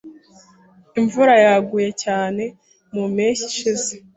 Imvura yaguye cyane mu mpeshyi ishize.